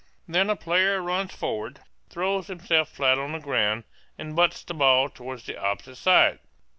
Then a player runs forward, throws himself flat on the ground, and butts the ball toward the opposite side.